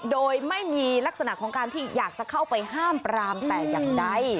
โดยไม่มีลักษณะของการที่อยากจะเข้าไปห้ามปรามแต่อย่างใด